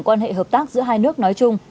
quan hệ hợp tác giữa hai nước nói chung